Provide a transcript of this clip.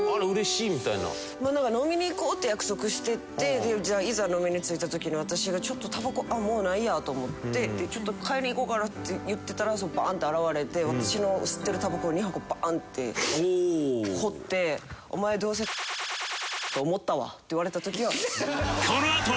なんか飲みに行こうって約束しててじゃあいざ飲みに着いた時に私が「ちょっとタバコあっもうないや」と思って「ちょっと買いに行こうかな」って言ってたらバン！って現れて私の吸ってるタバコ２箱バンってほって「お前どうせと思ったわ」って言われた時は。